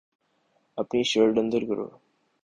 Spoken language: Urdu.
اپنی شرٹ اندر کرو